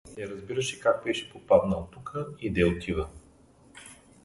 Не разбираше как беше попаднал тука и де отива.